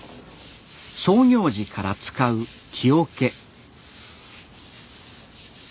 創業時から使う木おけ。